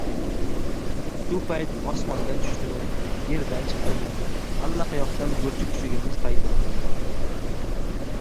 Shu payt osmondan tushdimi, yerdan chiqdimi, allaqayoqdan gurji kuchugimiz paydo bo‘ldi.